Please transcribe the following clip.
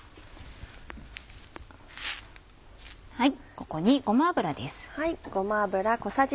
ここにごま油です。